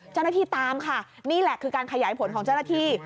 เจ้าหน้าที่ตามค่ะนี่แหละคือการขยายผลของเจ้าหน้าที่